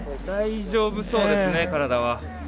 大丈夫そうですね、体は。